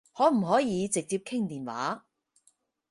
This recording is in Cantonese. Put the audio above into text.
可唔可以直接傾電話？